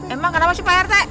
emang kenapa sih pak rt